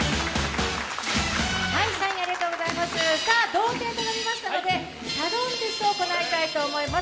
同点となりましたのでサドンデスを行いたいと思います。